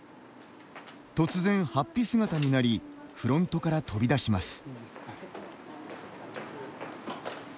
突然、はっぴ姿になりフロントから飛び出します。